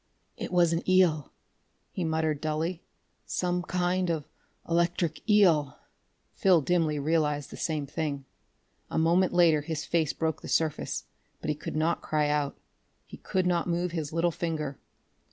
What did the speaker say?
"It was an eel," he muttered dully. "Some kind of electric eel...." Phil dimly realized the same thing. A moment later his face broke the surface, but he could not cry out; he could not move his little finger.